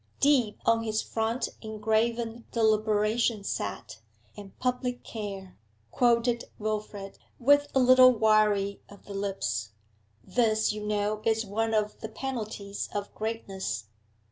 'Deep on his front engraven Deliberation sat, and public care ' quoted Wilfrid, with a little wrying of the lips. 'This, you know, is one of the penalties of greatness.'